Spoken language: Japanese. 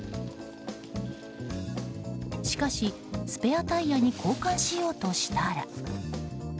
しかし、スペアタイヤに交換しようとしたら。